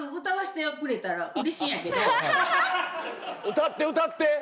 歌って歌って。